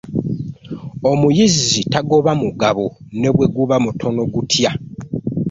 Omuyizzi tagoba mugabo, ne bwe guba omutono gutya.